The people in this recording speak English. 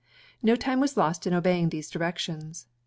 No time was lost in obeying these directions.